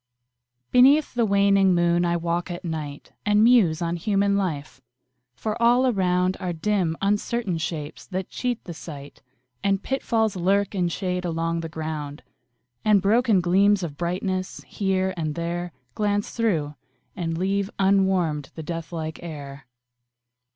Beneath the waning moon I walk at night, And muse on human life for all around Are dim uncertain shapes that cheat the sight, And pitfalls lurk in shade along the ground, And broken gleams of brightness, here and there, Glance through, and leave unwarmed the death like air.